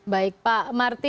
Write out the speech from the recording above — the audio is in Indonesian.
baik pak marti